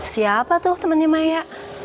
siapa tuh temennya maya